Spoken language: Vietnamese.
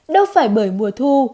đâu phải bởi mùa thu